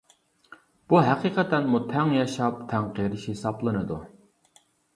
بۇ ھەقىقەتەنمۇ تەڭ ياشاپ، تەڭ قېرىش ھېسابلىنىدۇ.